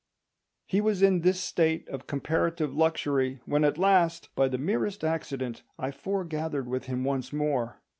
He was in this state of comparative luxury when at last, by the merest accident, I foregathered with him once more.